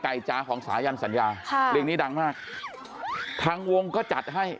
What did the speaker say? จ๋าของสายันสัญญาค่ะเพลงนี้ดังมากทางวงก็จัดให้